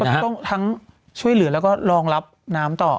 ต้องทั้งช่วยเหลือแล้วก็รองรับน้ำต่อ